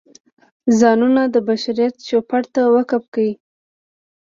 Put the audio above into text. ځانونه د بشریت چوپړ ته وقف کړي.